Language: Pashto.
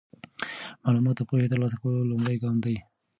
معلومات د پوهې د ترلاسه کولو لومړی ګام دی.